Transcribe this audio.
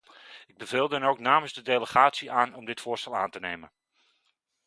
Ik beveel dan ook namens de delegatie aan om dit voorstel aan te nemen.